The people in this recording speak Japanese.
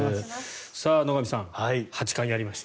野上さん八冠、やりました。